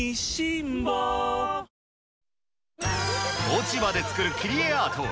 落ち葉で作る切り絵アート。